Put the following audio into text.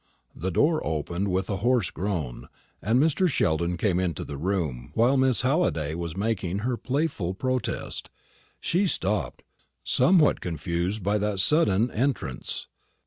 The door opened with a hoarse groan, and Mr. Sheldon came into the room while Miss Halliday was making her playful protest. She stopped, somewhat confused by that sudden entrance.